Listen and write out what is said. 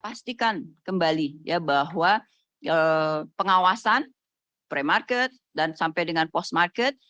pastikan kembali ya bahwa pengawasan pre market dan sampai dengan post market